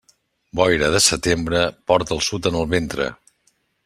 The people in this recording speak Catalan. Boira de setembre, porta el sud en el ventre.